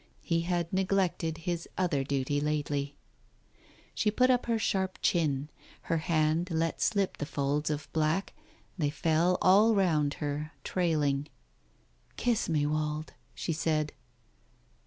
He had neglected his other duty lately. She put up her sharp chin. Her hand let slip the folds of black, they fell all round her, trailing. ... "Kiss me, Wald !" she said.